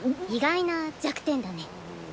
意外な弱点だね。